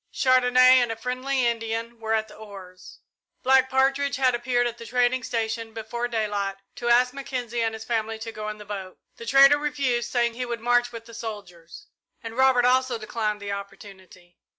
Chandonnais and a friendly Indian were at the oars. Black Partridge had appeared at the trading station before daylight, to ask Mackenzie and his family to go in the boat. The trader refused, saying he would march with the soldiers; and Robert also declined the opportunity.